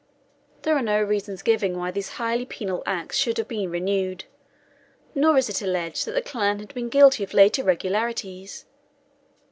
There are no reasons given why these highly penal acts should have been renewed; nor is it alleged that the clan had been guilty of late irregularities.